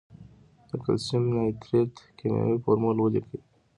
د کلسیم نایتریت کیمیاوي فورمول ولیکئ.